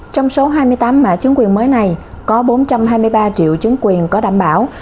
trong số hai mươi tám mã chứng quyền mới này có bốn trăm hai mươi ba triệu chứng quyền có đảm bảo